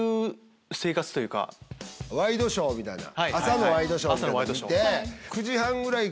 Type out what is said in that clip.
ワイドショーみたいな。